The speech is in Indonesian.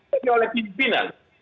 tapi oleh pimpinan